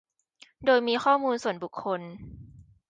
โดยมีข้อมูลส่วนบุคคล